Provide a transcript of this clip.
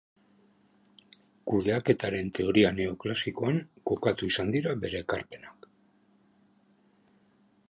Kudeaketaren teoria neoklasikoan kokatu izan dira bere ekarpenak.